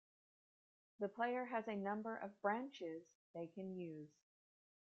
The player has a number of "Branches" they can use.